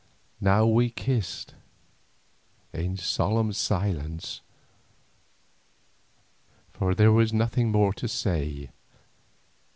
Now we kissed in solemn silence, for there was nothing more to say.